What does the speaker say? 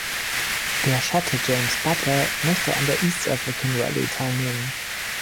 Der Schotte James Butler möchte an der "East African Rallye" teilnehmen.